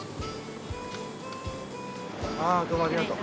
ああどうもありがとう。